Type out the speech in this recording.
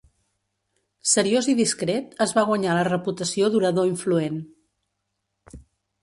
Seriós i discret, es va guanyar la reputació d'orador influent.